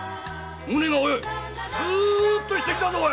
胸がスーッとしてきたぞ！